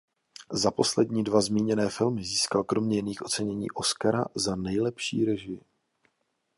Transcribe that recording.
Za poslední dva zmíněné filmy získal kromě jiných ocenění Oscara za nejlepší režii.